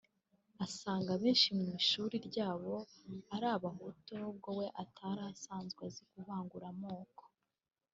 asanga abenshi mu ishuri ryabo ari Abahutu n’ubwo we atari asanzwe azi kuvangura amoko